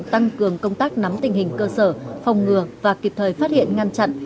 tăng cường công tác nắm tình hình cơ sở phòng ngừa và kịp thời phát hiện ngăn chặn